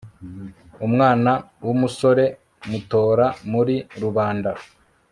umwana w'umusore mutora muri rubanda